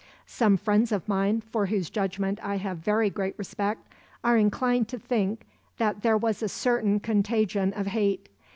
Some friends of mine, for whose judgment I have very great respect, are inclined to think that there was a certain contagion of hate.